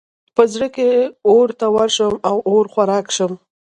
په زړه کې اور ته ورشم او اور خوراک شم.